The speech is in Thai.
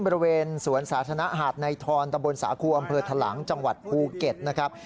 บริเวณสวนสาธารณะหาดในทรตะบนสาคูอำเภอทะลังจังหวัดภูเก็ตนะครับ